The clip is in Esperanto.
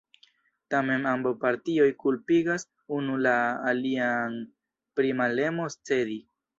Tamen ambaŭ partioj kulpigas unu la alian pri malemo cedi.